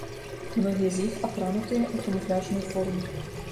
Многія з іх апранутыя ў камуфляжную форму.